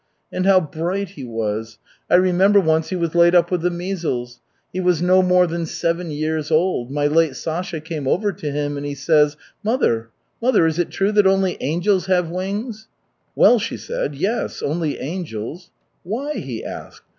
"And how bright he was! I remember once, he was laid up with the measles. He was no more than seven years old. My late Sasha came over to him, and he says, 'Mother, mother, is it true that only angels have wings?' 'Well,' she said, 'yes, only angels.' 'Why?' he asked.